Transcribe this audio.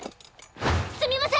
すみません！